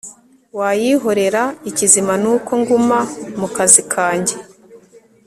wayihorera ikizima nuko nguma mukazi kajye